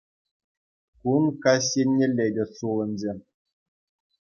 Кун каҫ еннелле те сулӑнчӗ.